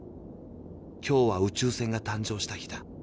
「今日は宇宙船が誕生した日だ」。